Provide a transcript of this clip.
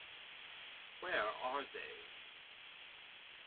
Where are they?